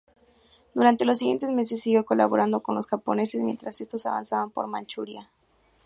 Durante los siguientes meses siguió colaborando con los japoneses, mientras estos avanzaban por Manchuria.